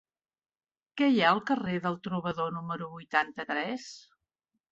Què hi ha al carrer del Trobador número vuitanta-tres?